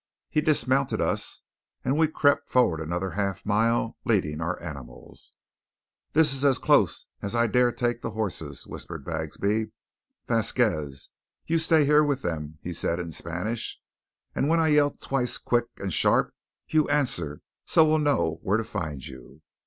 He dismounted us, and we crept forward another half mile, leading our animals. "This is as close as I dare take the hosses," whispered Bagsby. "Vasquez, you stay here with them," he said in Spanish, "and when I yell twice quick and sharp, you answer so we'll know where to find you.